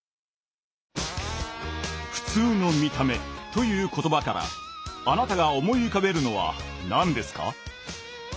「ふつうの見た目」という言葉からあなたが思い浮かべるのは何ですか？